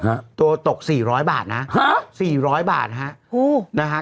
ฮะตัวตกสี่ร้อยบาทนะฮะสี่ร้อยบาทฮะโอ้โหนะฮะ